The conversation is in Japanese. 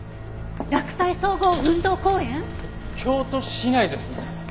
京都市内ですね。